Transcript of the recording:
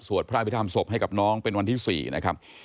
สวดพระพิธีธรรมศพให้กับน้องเป็นวันที่๔นะครับ